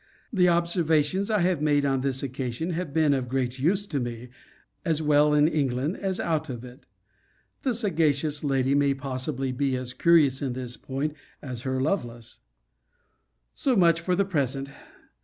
The observations I have made on this occasion have been of great use to me, as well in England as out of it. The sagacious lady may possibly be as curious in this point as her Lovelace. So much for the present.